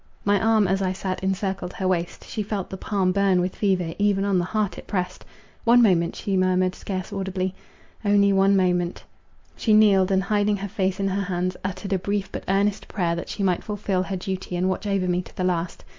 My arm, as I sat, encircled her waist. She felt the palm burn with fever, even on the heart it pressed:—"One moment," she murmured, scarce audibly, "only one moment."— She kneeled, and hiding her face in her hands, uttered a brief, but earnest prayer, that she might fulfil her duty, and watch over me to the last.